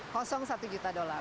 kosong satu juta dolar